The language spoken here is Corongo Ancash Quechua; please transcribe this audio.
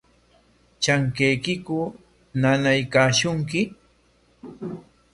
¿Trankaykiku nanaykashunki?